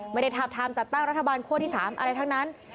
ไม่ได้ทาบทามจัดตั้งรัฐบาลคั่วที่๓อะไรทั้งนั้น